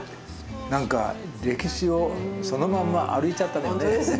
何か歴史をそのまんま歩いちゃった。